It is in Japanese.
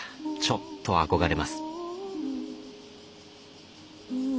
ちょっと憧れます。